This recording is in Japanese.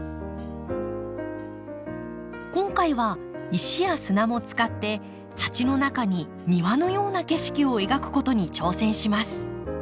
今回は石や砂も使って鉢の中に庭のような景色を描くことに挑戦します。